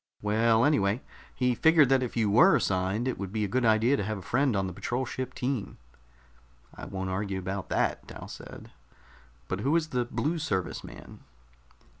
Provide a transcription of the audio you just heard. "Well, anyway, he figured that if you were assigned, it would be a good idea to have a friend on the patrol ship team." "I won't argue about that," Dal said. "But who is the Blue Service man?"